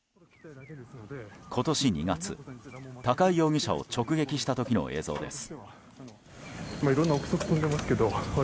今年２月、高井容疑者を直撃した時の映像です。